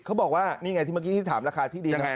เขาบอกว่านี่ไงที่เมื่อกี้ที่ถามราคาที่ดิน